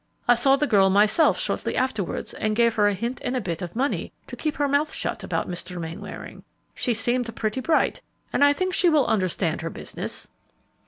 I saw the girl myself shortly afterwards and gave her a hint and a bit of money to keep her mouth shut about Mr. Mainwaring. She seemed pretty bright, and I think she will understand her business."